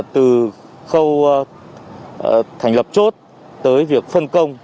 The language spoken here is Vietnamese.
từ khâu thành lập chốt tới việc phân công